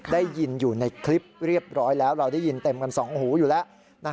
ได้ยินอยู่ในคลิปเรียบร้อยแล้วเราได้ยินเต็มกันสองหูอยู่แล้ว